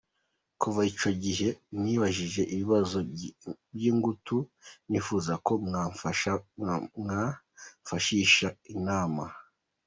Kuva icyo gihe nibajije ibibazo by’ingutu nifuza ko mwamfashishaho inama.